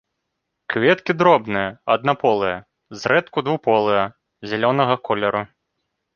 Кветкі дробныя, аднаполыя, зрэдку двухполыя, зялёнага колеру.